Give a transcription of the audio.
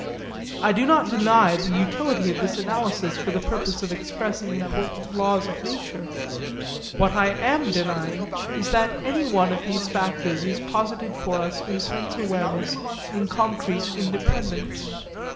I do not deny the utility of this analysis for the purpose of expressing important laws of nature. What I am denying is that anyone of these factors is posited for us in sense awareness in concrete independence.